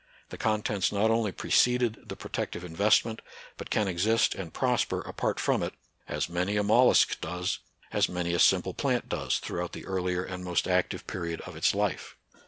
The contents not only preceded the protective investment, but can exist and prosper apart from it, as many a moUusk does, as many a simple plant does throughout the earlier and most active period of its life.